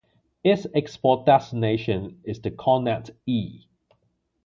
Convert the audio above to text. Its export designation is the Kornet-E.